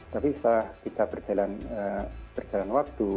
tapi setelah kita berjalan waktu